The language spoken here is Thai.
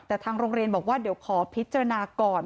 แต่ทางโรงเรียนบอกว่าเดี๋ยวขอพิจารณาก่อน